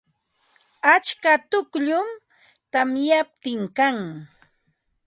Atska tukllum tamyaptin kan.